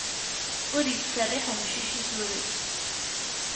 Ur ittserriḥ umcic i turet!